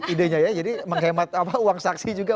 idenya ya jadi menghemat uang saksi juga